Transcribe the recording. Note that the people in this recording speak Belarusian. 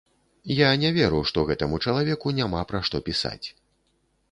Я не веру, што гэтаму чалавеку няма пра што пісаць.